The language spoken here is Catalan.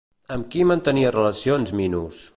Amb qui mantenia relacions Minos?